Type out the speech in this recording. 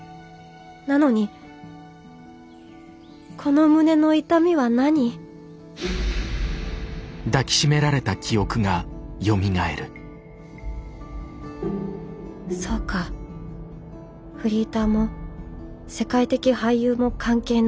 なのにこの胸の痛みは何そうかフリーターも世界的俳優も関係ない。